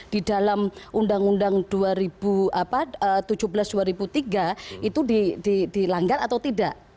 di dalam undang undang dua ribu tujuh belas dua ribu tiga itu dilanggar atau tidak